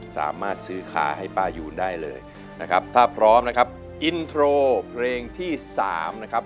สามารถซื้อขาให้ป้ายูนได้เลยนะครับถ้าพร้อมนะครับอินโทรเพลงที่สามนะครับ